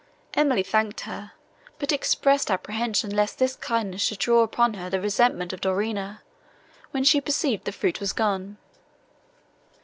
Emily thanked her, but expressed apprehension lest this kindness should draw upon her the resentment of Dorina, when she perceived the fruit was gone.